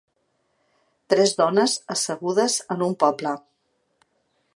Tres dones assegudes en un poble.